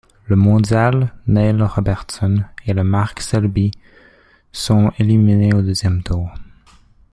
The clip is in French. Le mondial, Neil Robertson et le Mark Selby sont éliminés au deuxième tour.